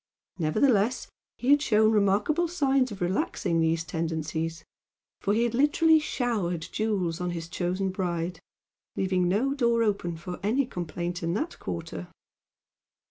Nevertheless he had shown remarkable signs of relaxing these tendencies; for he had literally showered jewels on his chosen bride, leaving no door open for any complaint in that quarter.